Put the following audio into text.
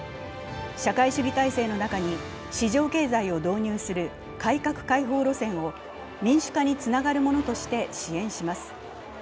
社会主義体制の中に市場経済を導入する改革開放路線を民主化につながるものとして支援します。